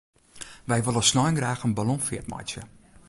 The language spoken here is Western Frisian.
Wy wolle snein graach in ballonfeart meitsje.